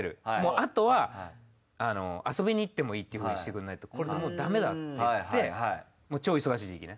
あとは遊びにいってもいいっていうふうにしてくんないとこれもうダメだって言って超忙しい時期ね。